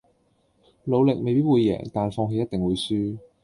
努力未必會贏但放棄一定會輸